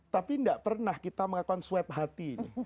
tapi tidak pernah kita melakukan suap hati